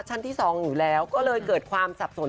ชั้นที่๒อยู่แล้วก็เลยเกิดความสับสน